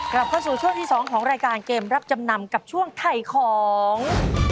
กลับเข้าสู่ช่วงที่๒ของรายการเกมรับจำนำกับช่วงถ่ายของ